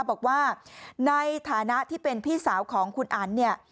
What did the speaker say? บอกว่าในฐานะที่เป็นพี่สาวของคุณอันเนี่ย